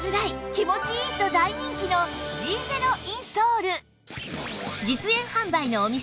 気持ちいい！と大人気の Ｇ ゼロインソール